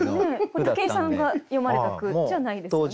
武井さんが詠まれた句じゃないですよね。